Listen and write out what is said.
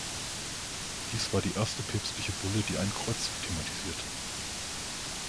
Dies war die erste päpstliche Bulle, die einen Kreuzzug thematisierte.